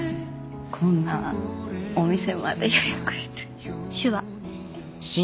こんなお店まで予約して。